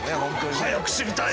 早く知りたい！